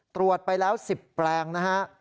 ตรวจไปแล้ว๑๐แปลงนะฮะ